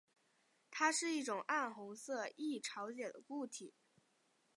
它是一种暗红色易潮解的固体。